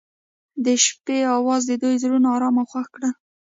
د شپه اواز د دوی زړونه ارامه او خوښ کړل.